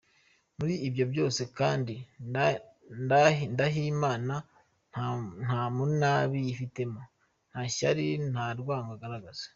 Muri ibyo byose kandi, Ndahimana nta munabi yifitemo, nta shyali, nta rwango agaragaza.